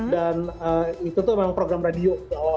dan itu tuh emang program radio